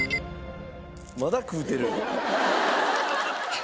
まだ食うてる！